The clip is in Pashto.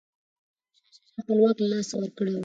شاه شجاع خپل واک له لاسه ورکړی و.